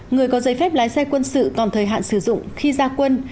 người có giấy phép lái xe quân sự toàn thời hạn sử dụng khi gia quân